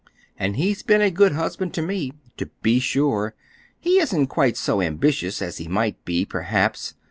And he's been a good husband to me. To be sure, he isn't quite so ambitious as he might be, perhaps.